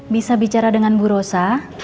bisa bicara dengan bu rosa